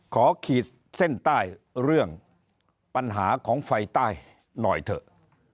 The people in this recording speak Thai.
ขีดเส้นใต้เรื่องปัญหาของไฟใต้หน่อยเถอะ